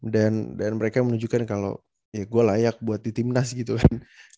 dan mereka menunjukkan kalau ya gue layak buat di timnas gitu kan